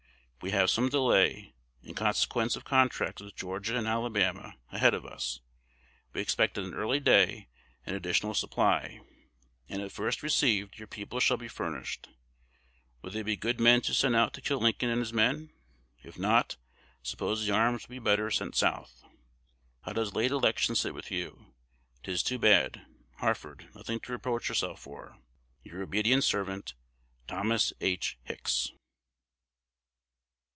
We have some delay, in consequence of contracts with Georgia and Alabama, ahead of us: we expect at an early day an additional supply, and of first received your people shall be furnished. Will they be good men to send out to kill Lincoln and his men? if not, suppose the arms would be better sent South. How does late election sit with you? 'Tis too bad. Harford, nothing to reproach herself for. Your obedient servant, Thos. H. Hicks.